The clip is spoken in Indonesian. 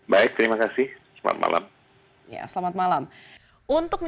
baik terima kasih selamat malam